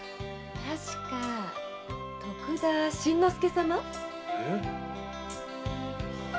確か「徳田新之助」様？